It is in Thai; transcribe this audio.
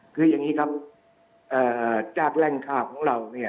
คือยังงี้ครับเอ่อจากแรงคาของเราเนี่ย